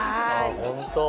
本当？